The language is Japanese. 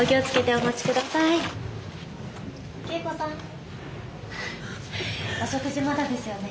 お食事まだですよね？